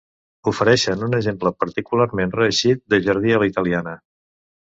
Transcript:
Ofereixen un exemple particularment reeixit de jardí a la italiana.